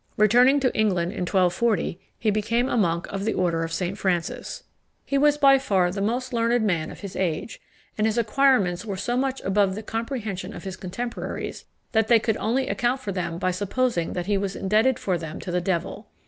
Returning to England in 1240, he became a monk of the order of St. Francis. He was by far the most learned man of his age; and his acquirements were so much above the comprehension of his contemporaries, that they could only account for them by supposing that he was indebted for them to the devil.